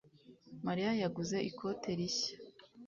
Mariya yaguze ikote rishya